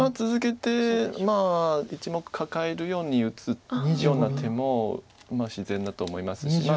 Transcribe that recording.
続けて１目カカえるように打つような手も自然だと思いますし。